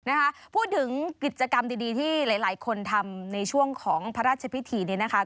นะคะพูดถึงกิจกรรมดีดีที่หลายหลายคนทำในช่วงของพระราชพิธีนี้นะคะ